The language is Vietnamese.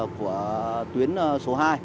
của tuyến số hai